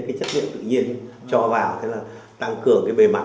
cái chất lượng tự nhiên cho vào thế là tăng cường cái bề mặt